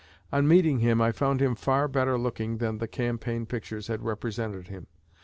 On meeting him I found him far better looking than the campaign pictures had represented him.